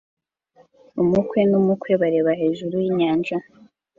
Umukwe n'umukwe bareba hejuru yinyanja